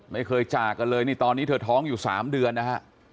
ไม่เคยจากกันเลยนี่ตอนนี้เธอท้องอยู่๓เดือนนะฮะ